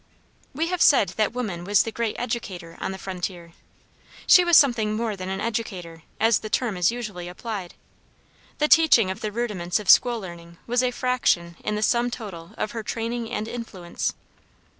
We have said that woman was the great educator on the frontier. She was something more than an educator, as the term is usually applied. The teaching of the rudiments of school learning was a fraction in the sum total of her training and influence.